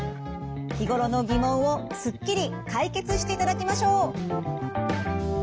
日頃の疑問をすっきり解決していただきましょう。